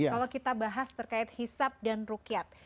kalau kita bahas terkait hisap dan rukyat